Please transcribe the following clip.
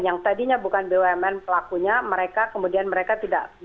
yang tadinya bukan bumn pelakunya mereka kemudian mereka tidak